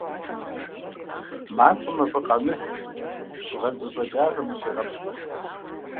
Махуэм абы къамыл, бгъэн зэщӀэкӀахэм зыщегъэпщкӀу.